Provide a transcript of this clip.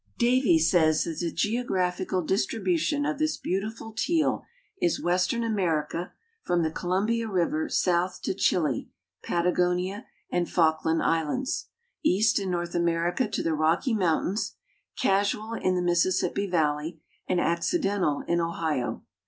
_) Davie says that the geographical distribution of this beautiful teal is western America, from the Columbia river south to Chili, Patagonia, and Falkland Islands; east in North America to the Rocky Mountains; casual in the Mississippi Valley, and accidental in Ohio.